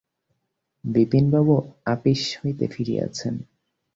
বিপিনবাবু আপিস হইতে ফিরিয়াছেন।